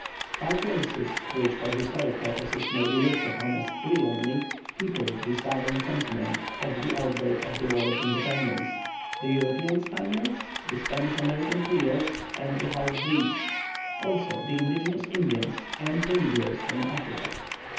Five races, which for historic purposes may be looked upon as three only, peopled the Southern Continent at the outbreak of the War of Independence: the European Spaniards, the Spanish American Creoles, and the half breeds; also the indigenous Indians, and the negroes from Africa.